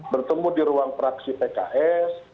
bertemu di ruang praksi pks